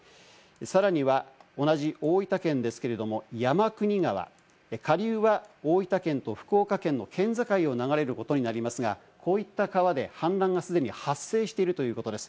さらには同じ大分県ですけれども、山国川、下流は大分県と福岡県の県境を流れることになりますが、こういった川で氾濫が既に発生しているということです。